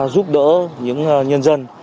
giúp đỡ những nhân dân